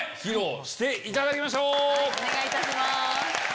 お願いいたします。